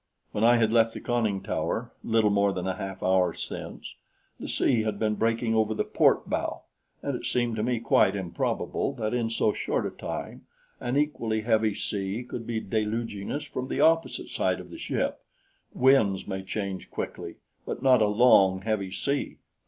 When I had left the conning tower little more than a half hour since, the sea had been breaking over the port bow, and it seemed to me quite improbable that in so short a time an equally heavy sea could be deluging us from the opposite side of the ship winds may change quickly, but not a long, heavy sea.